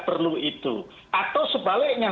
perlu itu atau sebaliknya